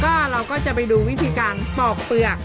ก็เราก็จะไปดูวิธีการปอกเปลือก